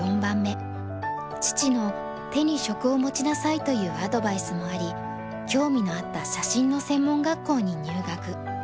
父の「手に職を持ちなさい」というアドバイスもあり興味のあった写真の専門学校に入学。